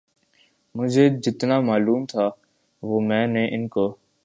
مجھے جتنا معلوم تھا وہ میں نے ان کو